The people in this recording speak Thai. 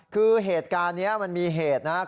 คือเหตุการณ์นี้มันมีเหตุนะครับ